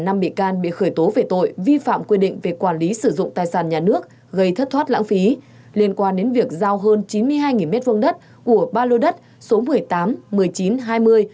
năm bị can bị khởi tố về tội vi phạm quy định về quản lý sử dụng tài sản nhà nước gây thất thoát lãng phí liên quan đến việc giao hơn chín mươi hai m hai đất của ba lô đất số một mươi tám một mươi chín hai mươi